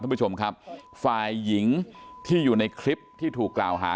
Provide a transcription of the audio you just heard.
ท่านผู้ชมครับฝ่ายหญิงที่อยู่ในคลิปที่ถูกกล่าวหา